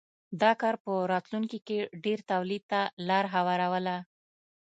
دا کار په راتلونکې کې ډېر تولید ته لار هواروله.